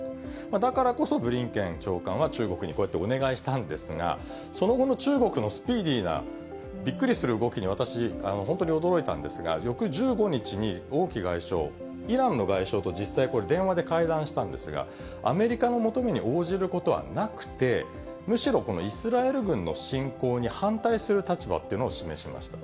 だからこそブリンケン長官は中国にこうやってお願いしたんですが、その後の中国のスピーディーなびっくりする動きに、私、本当に驚いたんですが、翌１５日に王毅外相、イランの外相と実際、これ、電話で会談したんですが、アメリカの求めに応じることはなくて、むしろこのイスラエル軍の侵攻に反対する立場っていうのを示しました。